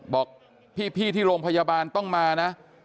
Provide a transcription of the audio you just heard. บอกพี่ที่โรงพยาบาลต้องมานะ